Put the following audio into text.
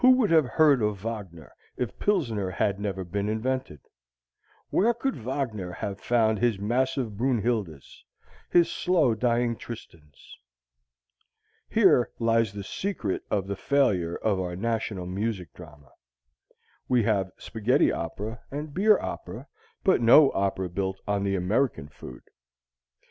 Who would have heard of Wagner if Pilsener had never been invented? Where could Wagner have found his massive Brunhildes, his slow dying Tristans? Here lies the secret of the failure of our national music drama we have spaghetti opera and beer opera, but no opera built on an American food.